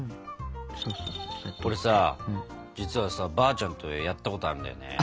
これさ実はさばあちゃんとやったことあるんだよね。